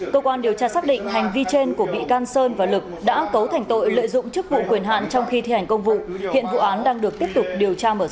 cơ quan điều tra xác định hành vi trên của bị can sơn và lực đã cấu thành tội lợi dụng chức vụ quyền hạn trong khi thi hành công vụ hiện vụ án đang được tiếp tục điều tra mở rộng